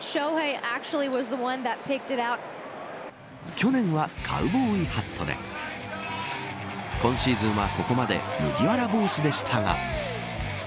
去年は、カウボーイハットで今シーズンは、ここまで麦わら帽子でしたが。